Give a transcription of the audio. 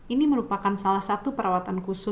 ini merupakan salah satu perawatan yang sangat berhasil